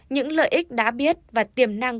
những lợi ích đã biết và tiềm năng